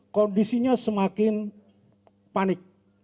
kondisinya semakin panik